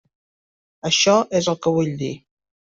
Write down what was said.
Això és el que vull dir.